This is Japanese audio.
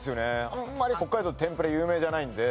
あんまり北海道天ぷら有名じゃないんで。